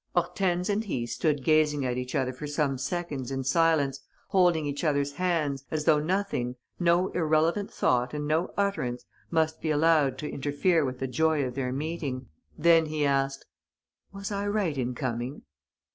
Hortense and he stood gazing at each other for some seconds in silence, holding each other's hands, as though nothing, no irrelevant thought and no utterance, must be allowed to interfere with the joy of their meeting. Then he asked: "Was I right in coming?"